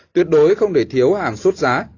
tuyệt đối không để thiếu hàng xuất giá